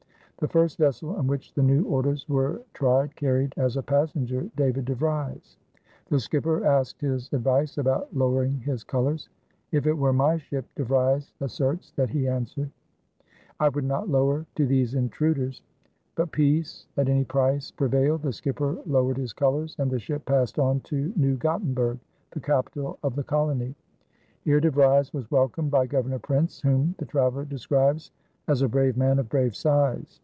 The first vessel on which the new orders were tried carried as a passenger David de Vries. The skipper asked his advice about lowering his colors. "If it were my ship," De Vries asserts that he answered, "I would not lower to these intruders." But peace at any price prevailed, the skipper lowered his colors, and the ship passed on to New Gottenburg, the capital of the colony. Here De Vries was welcomed by Governor Printz, whom the traveler describes as "a brave man of brave size."